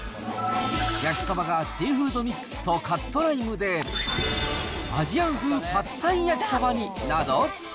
焼きそばがシーフードミックスとカットライムで、アジアン風パッタイ焼きそばになど。